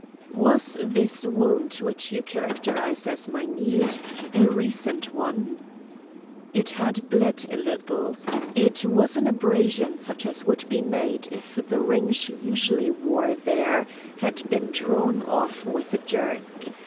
"Was this wound which you characterize as minute a recent one?" "It had bled a little. It was an abrasion such as would be made if the ring she usually wore there had been drawn off with a jerk.